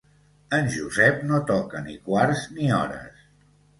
En Josep no toca ni quarts ni hores.